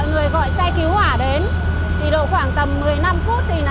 năm giờ một mươi phút